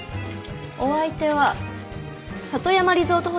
お相手は里山リゾートホテルの河本さんですか？